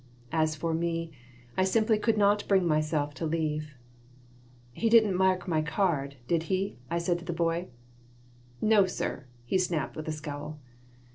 As for me, I simply could not bring myself to leave "He didn't mark my card, did he?" I said to the boy "No, sir," he snapped, with a scowl.